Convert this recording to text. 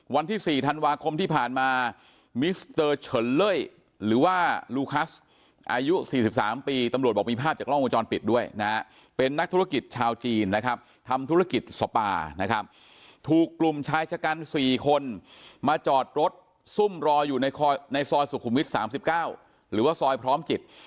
วันที่๔ธันวาคมที่ผ่านมามิสเตอร์เฉินเล่ยหรือว่าลูคัสอายุ๔๓ปีตำรวจบอกมีภาพจากกล้องวงจรปิดด้วยนะฮะเป็นนักธุรกิจชาวจีนนะครับทำธุรกิจสปานะครับถูกกลุ่มชายชะกัน๔คนมาจอดรถซุ่มรออยู่ในซอยสุขุมวิท๓๙หรือว่าซอยพร้อมจิต